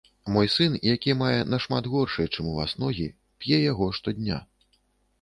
Мой сын, які мае нашмат горшыя чым у вас ногі, п'е яго штодня.